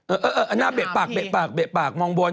เอออันหน้าเบะปากเบะปากเบะปากมองบน